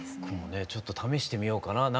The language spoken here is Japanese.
僕もねちょっと試してみようかな。